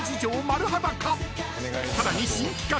［さらに新企画！